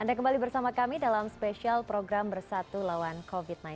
anda kembali bersama kami dalam spesial program bersatu lawan covid sembilan belas